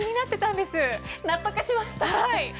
納得しました。